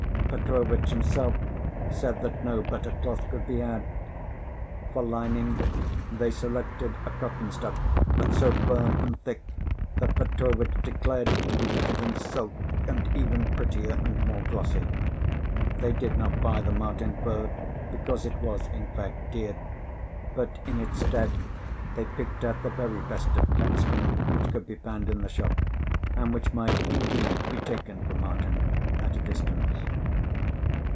Petrovitch himself said that no better cloth could be had. For lining, they selected a cotton stuff, but so firm and thick that Petrovitch declared it to be better than silk, and even prettier and more glossy. They did not buy the marten fur, because it was, in fact, dear, but in its stead, they picked out the very best of cat skin which could be found in the shop, and which might, indeed, be taken for marten at a distance.